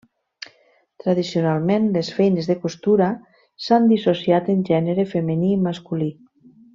Tradicionalment les feines de costura s'han dissociat en gènere femení i masculí.